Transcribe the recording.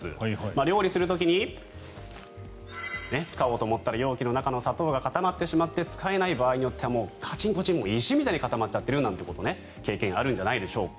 料理する時に使おうと思ったら容器の中の砂糖が固まってしまって使えない場合によっては石みたいに固まっちゃってるって経験あるんじゃないでしょうか。